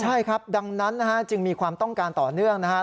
ใช่ครับดังนั้นนะฮะจึงมีความต้องการต่อเนื่องนะครับ